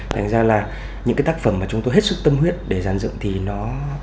thành ra là những cái tác phẩm mà chúng tôi hết sức tâm huyết để giàn dựng thì nó